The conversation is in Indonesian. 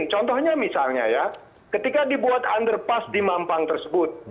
contohnya misalnya ya ketika dibuat underpass di mampang tersebut